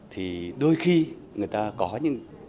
thì đôi khi người ta có những